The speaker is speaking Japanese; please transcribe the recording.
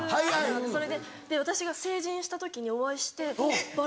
それで私が成人した時にお会いしてバラを。